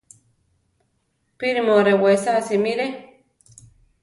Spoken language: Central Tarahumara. ¡Píri mu arewesa simire!